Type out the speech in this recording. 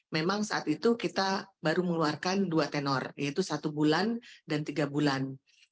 memang saat itu kita baru mengeluarkan dua tenor yaitu satu bulan dan tiga bulan